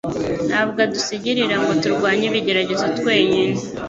Ntabwo adusigirira ngo turwanye ibigeragezo twenyine,